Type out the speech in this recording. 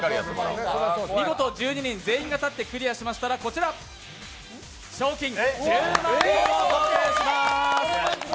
見事１２人全員が立ってクリアしましたら、賞金１０万円を贈呈しまーす。